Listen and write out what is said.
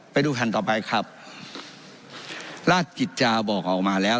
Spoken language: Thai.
ไปดูแผ่นต่อไปครับราชกิจจาบอกออกมาแล้ว